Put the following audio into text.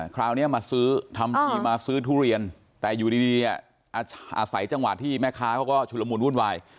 คราวนี้มาซื้อทุเรียนแต่อยู่ดีอาศัยจังหวัดที่แม่ค้าก็ชุดละมุนวุ่นวาย